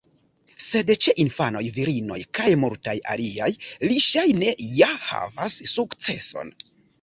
Sed ĉe infanoj, virinoj kaj multaj aliaj, li ŝajne ja havas sukceson.